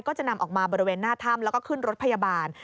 ก็จะนำออกมาบริเวณหน้าถ้ำแล้วก็ขึ้นรถพยาบาล